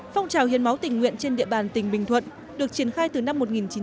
phong trào hiến máu tình nguyện trên địa bàn tỉnh bình thuận được triển khai từ năm một nghìn chín trăm chín mươi